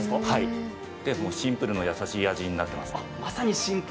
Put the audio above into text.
シンプルな優しい味になっています。